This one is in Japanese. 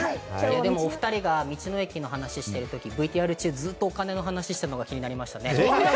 お２人が道の駅してるとき、ＶＴＲ中、ずっとお金の話してるのが気になりましたね。